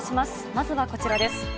まずはこちらです。